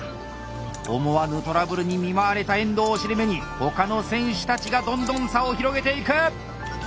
思わぬトラブルに見舞われた遠藤を尻目に他の選手たちがどんどん差を広げていく！